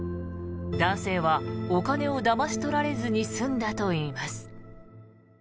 男性はお金をだまし取られずに済んだといいます。